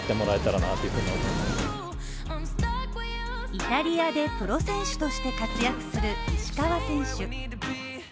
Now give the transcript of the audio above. イタリアでプロ選手として活躍する石川選手。